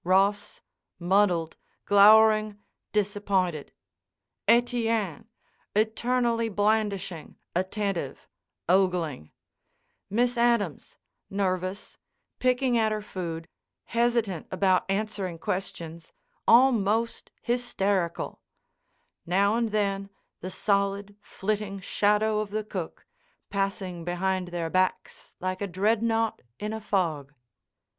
Ross, muddled, glowering, disappointed; Etienne, eternally blandishing, attentive, ogling; Miss Adams, nervous, picking at her food, hesitant about answering questions, almost hysterical; now and then the solid, flitting shadow of the cook, passing behind their backs like a Dreadnaught in a fog.